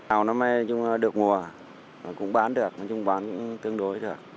đào nó mới nói chung được ngùa nó cũng bán được nói chung bán cũng tương đối được